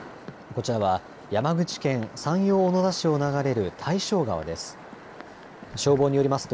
こちらは山口県山陽小野田市を流れる大正川です。